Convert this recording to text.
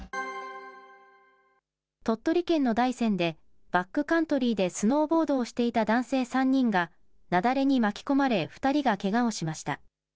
鳥取県の大山で、バックカントリーでスノーボードをしていた男性３人が雪崩に巻き込まれ、２人がけがをしました。